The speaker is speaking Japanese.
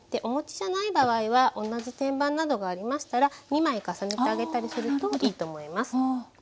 お持ちじゃない場合は同じ天板などがありましたら２枚重ねてあげたりするといいと思います。